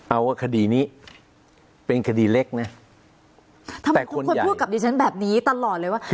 เอาว่าคดีนี้เป็นคดีเล็กนะทำไมคุณควรพูดกับดิฉันแบบนี้ตลอดเลยว่า